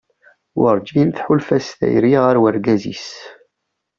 Werǧin tḥulfa s tayri ɣer urgaz-is.